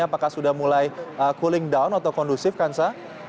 apakah sudah mulai cooling down atau kondusif kansah